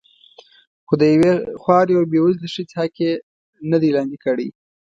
خو د یوې خوارې او بې وزلې ښځې حق یې نه دی لاندې کړی.